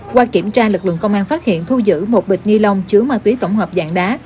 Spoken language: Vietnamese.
qua kiểm tra lực lượng công an phát hiện thu giữ một bịch ni lông chứa ma túy tổng hợp dạng đá